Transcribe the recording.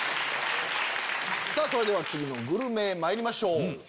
それでは次のグルメまいりましょう。